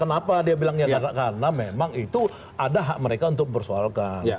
kenapa dia bilang ya karena memang itu ada hak mereka untuk mempersoalkan